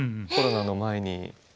コロナの前に。